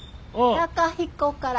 貴彦から。